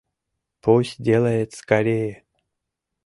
Пусть делает скорее!